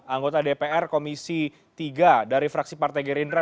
anggota dpr komisi tiga dari fraksi partai gerindra